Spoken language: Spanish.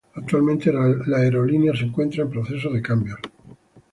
Actualmente la aerolínea se encuentra en procesos de cambios.